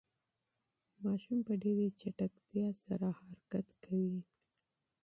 ماشوم په ډېرې چټکتیا سره حرکت کوي.